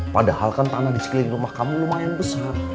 padahal kan tanah di sekeliling rumah kamu lumayan besar